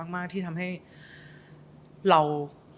มากที่ทำให้เรา